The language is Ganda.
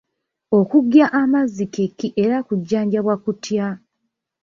Okuggya amazzi kye ki era kujjanjabwa kutya?